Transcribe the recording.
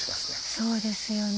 そうですよね。